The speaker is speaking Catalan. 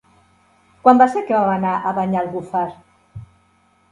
Quan va ser que vam anar a Banyalbufar?